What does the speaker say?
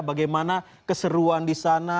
bagaimana keseruan di sana